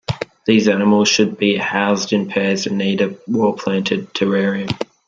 These animals should be housed in pairs and need a well planted terrarium.